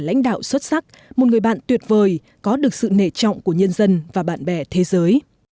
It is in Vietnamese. lãnh đạo xuất sắc một người bạn tuyệt vời có được sự nể trọng của nhân dân và bạn bè thế giới